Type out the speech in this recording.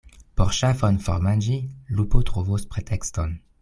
Por ŝafon formanĝi, lupo trovos pretekston.